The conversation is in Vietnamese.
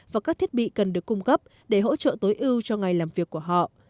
và các thiết bị cần được cung cấp để hỗ trợ tối ưu cho ngày làm việc của họ